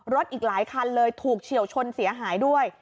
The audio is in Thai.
อีกหลายคันเลยถูกเฉียวชนเสียหายด้วย